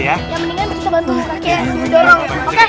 yang penting kita bantu kakek